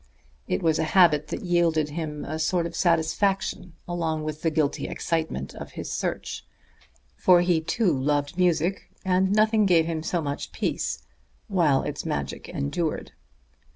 It was a habit that yielded him a sort of satisfaction along with the guilty excitement of his search; for he too loved music, and nothing gave him so much peace while its magic endured.